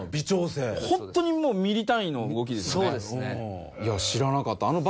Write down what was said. ほんとにもうミリ単位の動きですよね。